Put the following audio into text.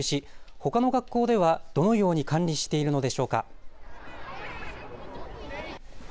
ほかの学校ではどのように管理しているのでしょうか。